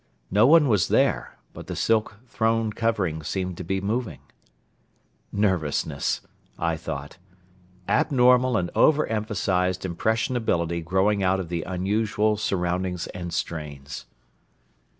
No one was there but the silk throne covering seemed to be moving. "Nervousness," I thought. "Abnormal and over emphasized impressionability growing out of the unusual surroundings and strains."